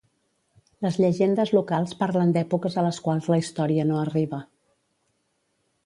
Les llegendes locals parlen d'èpoques a les quals la història no arriba.